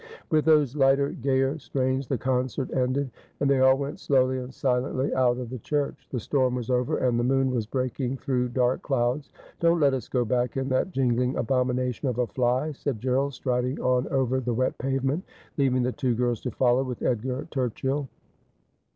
With those lighter, gayer strains the concert ended, and they all went slowly and silently out of the church. The storm was over, and the moon was breaking through dark clouds. ' Don't let us go back in that jinglmg abomination of a fly,' said Gerald, striding on over the wet pavement, leaving the two girls to follow with Edgar Turchill.